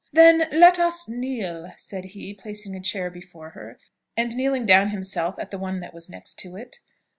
"Then let us kneel," said he, placing a chair before her, and kneeling down himself at the one that was next to it.